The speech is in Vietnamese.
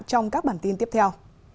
trong các bản tin tiếp theo